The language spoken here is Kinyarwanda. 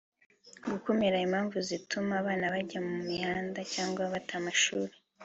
gukumira impamvu zituma abana bajya mu mihanda cyangwa bata amashuri